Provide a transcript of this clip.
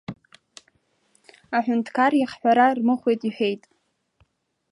Аҳәынҭқар иахҳәара рмыхәеит иҳәеит.